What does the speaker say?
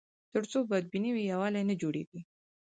تر څو بدبیني وي، یووالی نه جوړېږي.